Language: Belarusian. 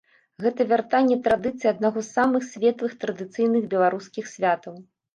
Гэта вяртанне традыцый аднаго з самых светлых традыцыйных беларускіх святаў.